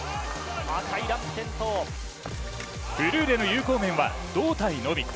フルーレの有効面は胴体のみ。